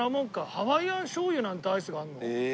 ハワイアン醤油なんてアイスがあるの？